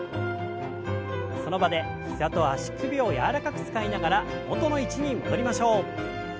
その場で膝と足首を柔らかく使いながら元の位置に戻りましょう。